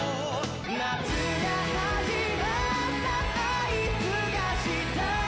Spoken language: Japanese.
「夏が始まった合図がした」